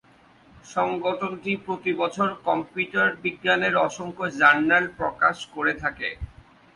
সংগঠনটি প্রতিবছর কম্পিউটার বিজ্ঞানের অসংখ্য জার্নাল প্রকাশ করে থাকে।